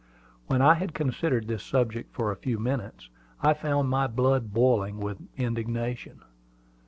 When I had considered this subject for a few minutes, I found my blood boiling with indignation.